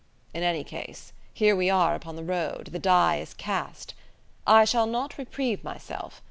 In any case, here we are upon the road: the die is cast. I shall not reprieve myself.